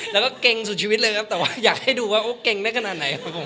แล้วก็เก่งสุดชีวิตเลยครับแต่ว่าอยากให้ดูว่าเก่งได้ขนาดไหนครับผม